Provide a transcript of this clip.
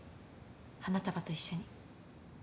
花束と一緒に。